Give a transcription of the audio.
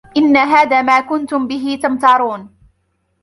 إِنَّ هَذَا مَا كُنْتُمْ بِهِ تَمْتَرُونَ